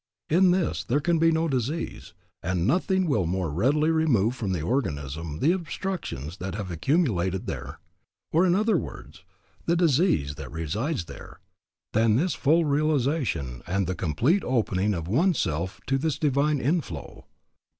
In this there can be no disease, and nothing will more readily remove from the organism the obstructions that have accumulated there, or in other words, the disease that resides there, than this full realization and the complete opening of one's self to this divine inflow.